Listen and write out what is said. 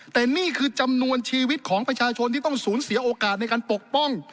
แต่นี่คือจำนวนชีวิตของประชาชนที่ต้องสูญเสียโอกาสในการปกป้อง